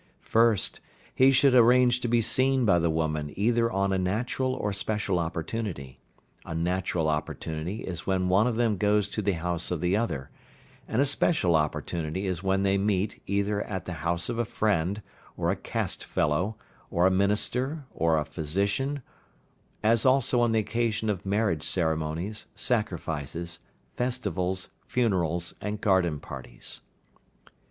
1st. He should arrange to be seen by the woman either on a natural or special opportunity. A natural opportunity is when one of them goes to the house of the other, and a special opportunity is when they meet either at the house of a friend, or a caste fellow, or a minister, or a physician, as also on the occasion of marriage ceremonies, sacrifices, festivals, funerals, and garden parties.